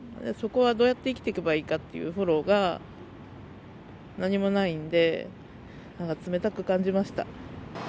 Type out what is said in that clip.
そこはどうやって生きていけばいいかというフォローが何もないので何か冷たく感じました。